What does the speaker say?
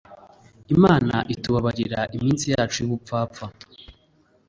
imana itubabarira iminsi yacu yubupfapfa